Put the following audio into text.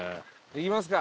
行きますか。